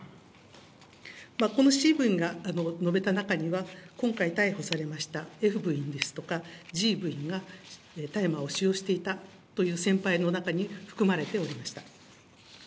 このＣ部員が述べた中には、今回逮捕されましたＦ部員ですとか、Ｇ部員が大麻を使用していたという先輩の中に含まれておりました。